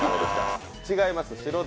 違います。